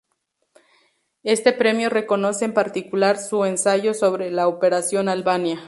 Este premio reconoce en particular su ensayo sobre la operación Albania.